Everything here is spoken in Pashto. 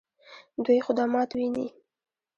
دوی خدمات ویني؟